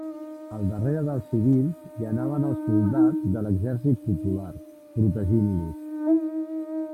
Al darrere dels civils hi anaven els soldats de l'exèrcit popular, protegint-los.